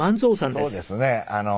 そうですね。